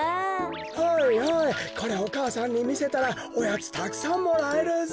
はいはいこりゃお母さんにみせたらおやつたくさんもらえるぞ。